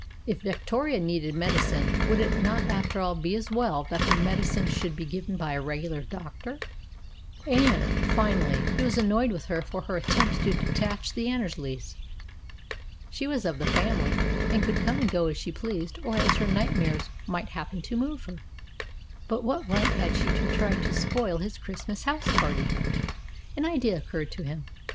If Victoria needed medi cine, would it not after all be as well that the medicine should be given by a regular doctor? And, finally, he was annoyed with her for her attempt to detach the Annersleys. She was of the family, and could come and go as she pleased or as her nightmares might happen to move her; but what right had she to try to spoil his Christmas house party? An idea occurred to him.